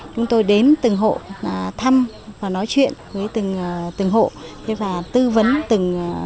chúng tôi đến từng hộ thăm và nói chuyện với từng hộ và tư vấn từng